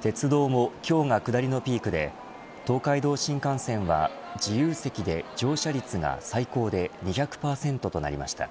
鉄道も今日が下りのピークで東海道新幹線は自由席で乗車率が最高で２００％となりました。